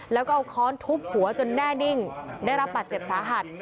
แล้วก็เอาค้อนทุบหัวจนแน่นิ่งได้รับบาดเจ็บสาหัส